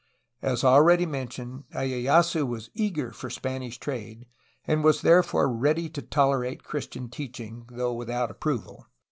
As already mentioned lyeyasu was eager for Spanish trade, and was therefore ready to tolerate Christian teaching, though without approval.